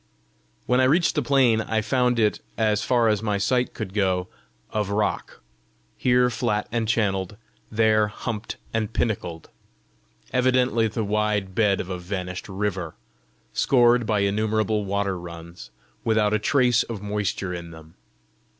When I reached the plain, I found it, as far as my sight could go, of rock, here flat and channeled, there humped and pinnacled evidently the wide bed of a vanished river, scored by innumerable water runs, without a trace of moisture in them.